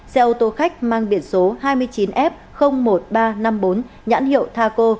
xe ô tô khách mang biển số hai mươi chín f một nghìn ba trăm năm mươi bốn nhãn hiệu taco